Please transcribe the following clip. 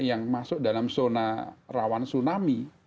yang masuk dalam zona rawan tsunami